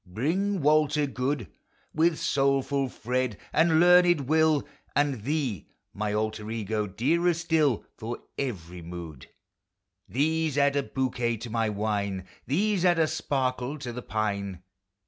Bring Walter good : With soulful Fred; and learned Will, And thee, my alter ego (dearer still For every mood ). These add a bouquet to 1113' wine! These add a sparkle to the pine